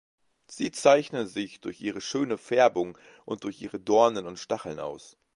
Sie zeichnen sich durch ihre schöne Färbung und durch ihre Dornen und Stacheln aus.